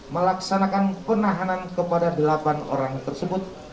melaksanakan penahanan kepada delapan orang tersebut